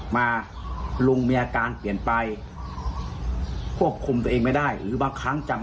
มาลุงมีอาการเปลี่ยนไปควบคุมตัวเองไม่ได้หรือบางครั้งจำ